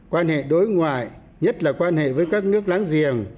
quan hệ đối ngoại nhất là quan hệ với các nước láng giềng